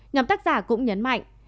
nhóm tác giả cũng nhấn mạnh